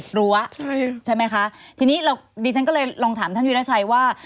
รั้วใช่ไหมคะทีนี้เราดิฉันก็เลยลองถามท่านวิราชัยว่า